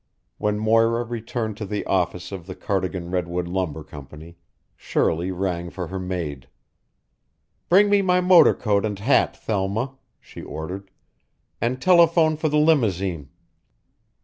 When Moira returned to the office of the Cardigan Redwood Lumber Company, Shirley rang for her maid. "Bring me my motor coat and hat, Thelma," she ordered, "and telephone for the limousine."